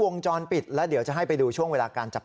นี่แหละครับ